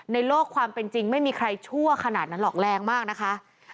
โลกความเป็นจริงไม่มีใครชั่วขนาดนั้นหรอกแรงมากนะคะ